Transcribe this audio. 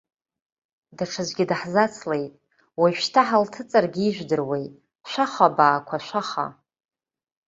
Даҽаӡәгьы даҳзацлеит, уажәшьҭа ҳалҭыҵыргьы ижәдыруеи, шәаха абаақәа, шәаха!